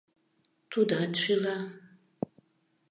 тудат шӱла.